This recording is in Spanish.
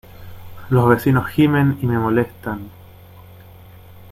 Los vecinos gimen y me molestan.